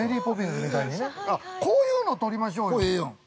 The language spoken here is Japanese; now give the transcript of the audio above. こういうの撮りましょうよ。